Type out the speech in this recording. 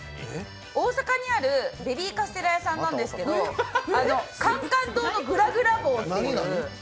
大阪にあるベビーカステラ屋さんなんですけど甘々堂のぐらぐら棒っていう。